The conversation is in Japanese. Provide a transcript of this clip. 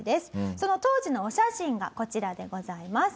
その当時のお写真がこちらでございます。